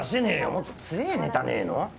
もっと強えネタねえの？